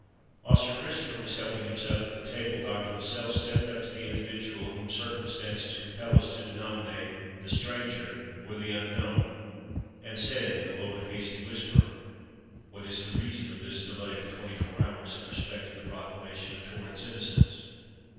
While Sir Christopher was helping himself at the table, Dr. Lascelles stepped up to the individual whom circumstances compel us to denominate "the stranger" or "the unknown," and said in a low and hasty whisper, "What is the reason of this delay of twenty four hours in respect to the proclamation of Torrens' innocence?"